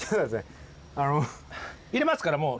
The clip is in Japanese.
入れますからもう。